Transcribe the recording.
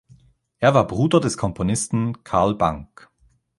Er war Bruder des Komponisten Carl Banck.